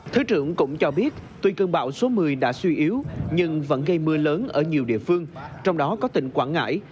thứ trưởng cũng cho biết tuy cơn bão số một mươi đã suy yếu nhưng vẫn gây mưa lớn ở nhiều địa phương trong đó có tỉnh quảng ngãi